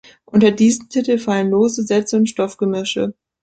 Unter diesen Titel fallen lose Sätze und Stoffgemische.